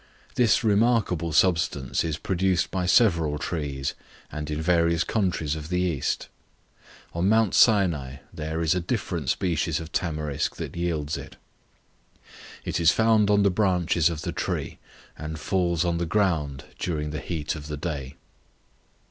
This remarkable substance is produced by several trees, and in various countries of the East. On Mount Sinai there is a different species of Tamarisk that yields it. It is found on the branches of the tree, and falls on the ground during the heat of the day.